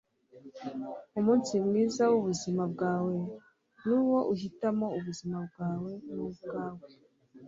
umunsi mwiza wubuzima bwawe nuwo uhitamo ubuzima bwawe nubwawe